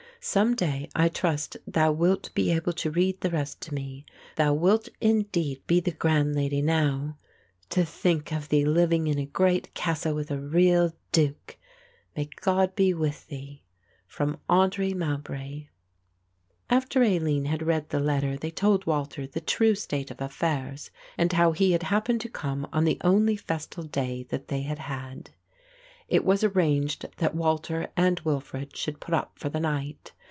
Someday I trust thou wilt be able to read the rest to me. Thou wilt indeed be the grand lady now; to think of thee living in a great castle with a real Duke! May God be with thee. "From AUDRY MOWBRAY." After Aline had read the letter they told Walter the true state of affairs and how he had happened to come on the only festal day that they had had. It was arranged that Walter and Wilfred should put up for the night.